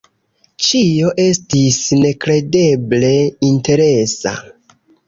Ĉio estis nekredeble interesa.